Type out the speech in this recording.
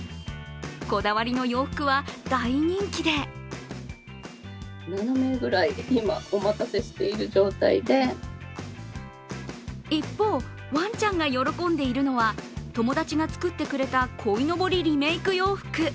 こだわりの洋服は大人気で一方、ワンちゃんが喜んでいるのは友達が作ってくれたこいのぼりリメーク洋服。